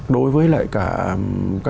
đối với lại cả